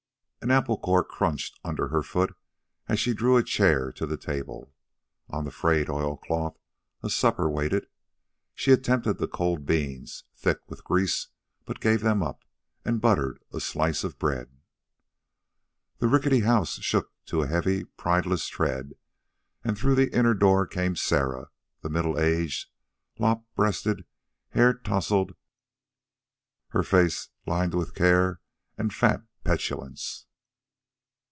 An apple core crunched under her foot as she drew a chair to the table. On the frayed oilcloth, a supper waited. She attempted the cold beans, thick with grease, but gave them up, and buttered a slice of bread. The rickety house shook to a heavy, prideless tread, and through the inner door came Sarah, middle aged, lop breasted, hair tousled, her face lined with care and fat petulance.